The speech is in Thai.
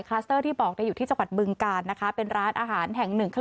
สเตอร์ที่บอกอยู่ที่จังหวัดบึงการนะคะเป็นร้านอาหารแห่งหนึ่ง